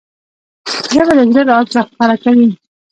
ژبه د زړه راز ښکاره کوي